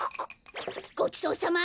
ごちそうさま！